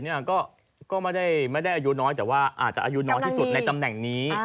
ก็ไม่ได้อายุน้อยแต่ว่าอาจจะอายุน้อยที่สุดในตำแหน่งนี้